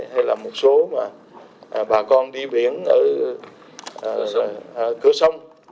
hay là một số bà con đi biển ở cửa sông